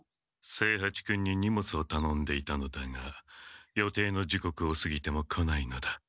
清八君に荷物をたのんでいたのだが予定のじこくをすぎても来ないのだ。